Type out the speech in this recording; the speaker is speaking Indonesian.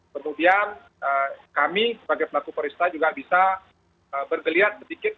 kemudian kami sebagai pelaku pariwisata juga bisa bergeliat sedikit